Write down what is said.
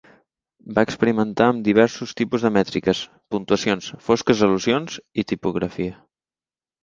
Va experimentar amb diversos tipus de mètriques, puntuacions, fosques al·lusions i tipografia.